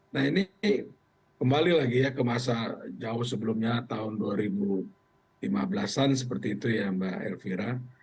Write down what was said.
nah ini kembali lagi ya ke masa jauh sebelumnya tahun dua ribu lima belas an seperti itu ya mbak elvira